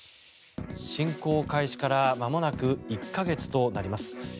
侵攻開始からまもなく１か月となります。